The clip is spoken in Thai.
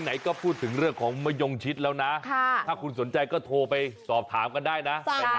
ไหนก็พูดถึงเรื่องของมะยงชิดแล้วนะถ้าคุณสนใจก็โทรไปสอบถามกันได้นะ